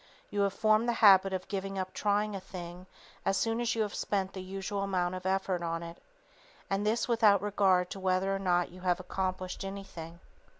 You have formed the habit of giving up trying a thing as soon as you have spent the usual amount of effort on it, and this without regard to whether or not you have accomplished anything.